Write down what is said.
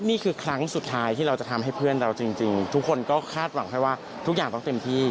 นี่คือครั้งสุดท้ายที่เราจะทำให้เพื่อนเราจริงทุกคนก็คาดหวังให้ว่าทุกอย่างต้องเต็มที่